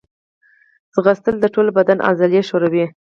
ځغاسته د ټول بدن عضلې ښوروي